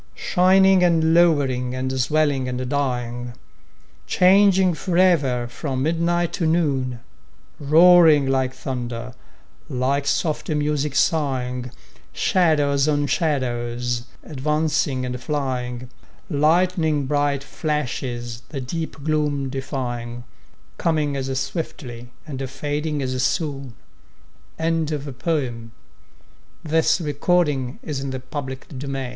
Shining and lowering and swelling and dying, Changing forever from midnight to noon; Roaring like thunder, like soft music sighing, Shadows on shadows advancing and flying, Lighning bright flashes the deep gloom defying, Coming as swiftly and fading as soon. Emily Brontë Come hither, child Come hither, child who gifted th